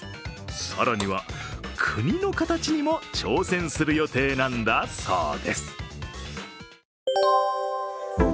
更には、国の形にも挑戦する予定なんだそうです。